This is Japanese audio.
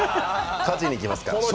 勝ちにいきますから。